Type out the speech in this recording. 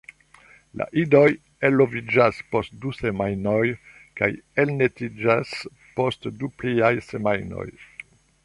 La idoj eloviĝas post du semajnoj kaj elnestiĝas post du pliaj semajnoj.